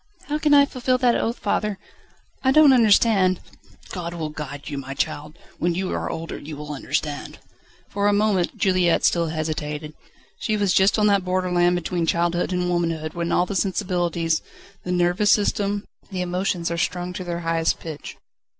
"How can I fulfil that oath, father? I don't understand ..." "God will guide you, my child. When you are older you will understand." For a moment Juliette still hesitated. She was just on that borderland between childhood and womanhood when all the sensibilities, the nervous system, the emotions, are strung to their highest pitch.